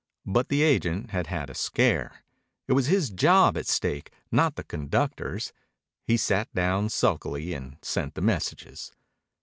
But the agent had had a scare. It was his job at stake, not the conductor's. He sat down sulkily and sent the messages.